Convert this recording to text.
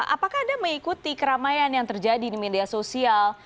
apakah anda mengikuti keramaian yang terjadi di media sosial